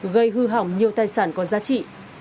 gây hư hỏng nhiều tài sản có giá trị